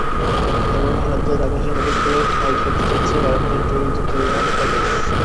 এবার ভারতের আকাশে নতুন করে ঠাঁই পেতে চলেছে ভারতের তৈরি যুদ্ধবিমান তেজস।